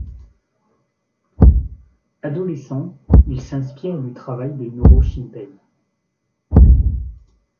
Adolescent, il s'inspire du travail de Noro Shinpei.